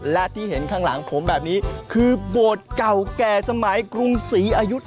และที่เห็นข้างหลังผมแบบนี้คือโบสถ์เก่าแก่สมัยกรุงศรีอายุ